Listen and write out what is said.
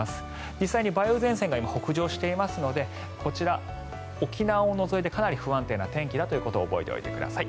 実際に梅雨前線が今、北上していますのでこちら、沖縄を除いてかなり不安定な天気だということを覚えておいてください。